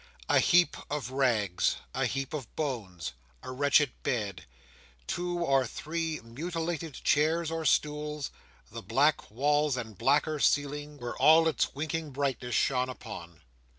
A heap of rags, a heap of bones, a wretched bed, two or three mutilated chairs or stools, the black walls and blacker ceiling, were all its winking brightness shone upon.